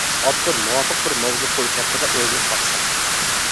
ئاپتور مۇۋاپىق بىر ماۋزۇ قويۇش ھەققىدە ئويلىنىپ باقسا.